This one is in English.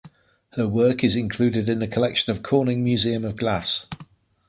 Her work is included in the collection of Corning Museum of Glass.